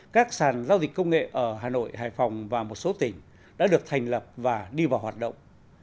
các sàn giao dịch công nghệ ở hà nội hải phòng và một số tỉnh đã được thành lập và đi vào hoạt động